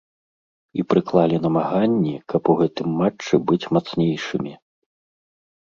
І прыклалі намаганні, каб у гэтым матчы быць мацнейшымі.